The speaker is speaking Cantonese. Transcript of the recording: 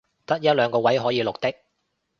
得一兩個位可以綠的